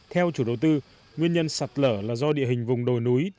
theo chủ đầu tư nguyên nhân sạt lở là do địa hình vùng đồi núi